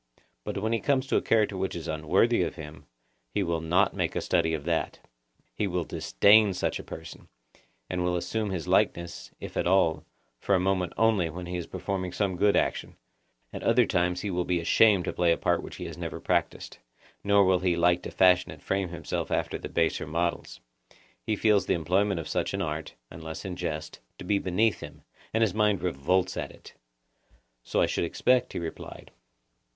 But when he comes to a character which is unworthy of him, he will not make a study of that; he will disdain such a person, and will assume his likeness, if at all, for a moment only when he is performing some good action; at other times he will be ashamed to play a part which he has never practised, nor will he like to fashion and frame himself after the baser models; he feels the employment of such an art, unless in jest, to be beneath him, and his mind revolts at it. So I should expect, he replied.